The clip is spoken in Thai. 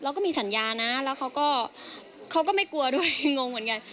แล้วก็มีสัญญานะแล้วเขาก็ไม่กลัวด้วยงงเหมือนกัน